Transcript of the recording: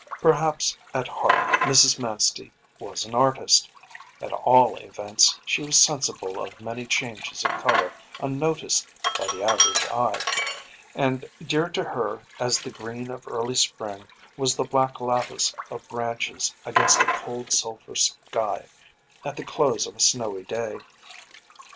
Perhaps at heart Mrs. Manstey was an artist; at all events she was sensible of many changes of color unnoticed by the average eye, and dear to her as the green of early spring was the black lattice of branches against a cold sulphur sky at the close of a snowy day.